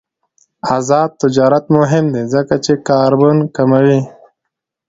آزاد تجارت مهم دی ځکه چې کاربن کموي.